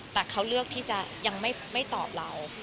แต่เขาเลือกที่จะยังไม่ตอบเรา